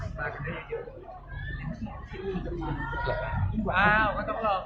อะเราต้องต้องเหาะไว้อยู่นะครับ